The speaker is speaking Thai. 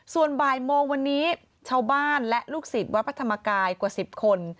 ส่วนบ่ายโมงวันนี้ชาวบ้านและลูกศิษย์วัดพระธรรมกายกว่า๑๐คน